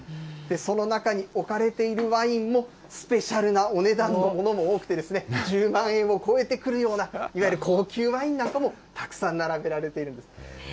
その中に置かれているワインも、スペシャルなお値段のものも多くて、１０万円を超えてくるような、いわゆる高級ワインなんかもたくさん並べられているんです。